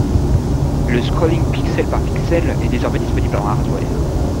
Le scrolling pixel par pixel est désormais disponible en hardware.